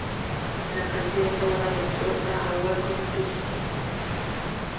La canción fue una respuesta a "Welcome to St.